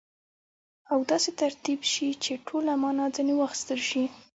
او داسي ترتیب سي، چي ټوله مانا ځني واخستل سي.